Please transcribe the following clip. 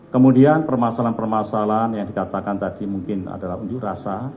kemudian permasalahan permasalahan yang dikatakan tadi mungkin adalah unjuk rasa